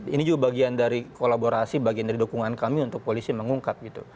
ini juga bagian dari kolaborasi bagian dari dukungan kami untuk polisi mengungkap gitu